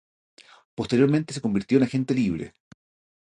Posteriormente se convirtió en agente libre.